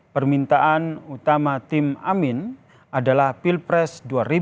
permintaan utama tim amin adalah pilpres dua ribu dua puluh empat